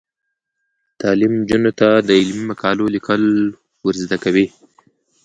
تعلیم نجونو ته د علمي مقالو لیکل ور زده کوي.